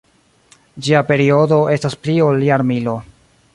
Ĝia periodo estas pli ol jarmilo.